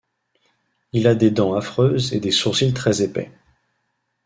Il a des dents affreuses et des sourcils très épais.